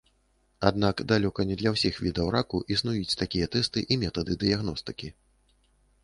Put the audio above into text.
Аднак далёка не для ўсіх відаў раку існуюць такія тэсты і метады дыягностыкі.